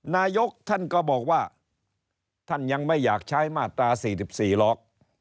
นายกท่านก็บอกว่าท่านยังไม่อยากใช้มาตรา๔๔หรอก